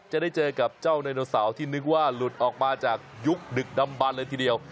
จะได้เจอกับเจ้าไดโนเสาร์ที่นึกว่าหลุดออกมาจากยุคดึกดำบันเลยทีเดียว